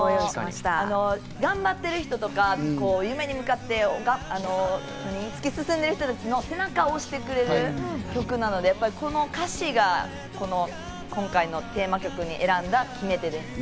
頑張ってる人とか、夢に向かって突き進んでる人たちの背中を押してくれる曲なので、歌詞が今回のテーマ曲に選んだ決め手です。